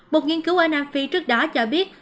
một nghiên cứu ở nam phi trước đó cho biết